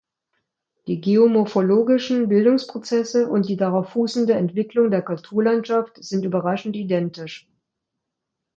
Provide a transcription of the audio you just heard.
Die geomorphologischen Bildungsprozesse und die darauf fußende Entwicklung der Kulturlandschaft sind überraschend identisch.